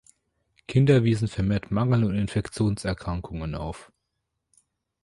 Kinder wiesen vermehrt Mangel- und Infektionserkrankungen auf.